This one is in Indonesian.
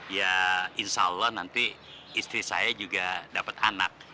ya insya allah nanti istri saya juga dapat anak